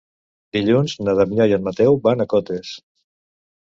Dilluns na Damià i en Mateu van a Cotes.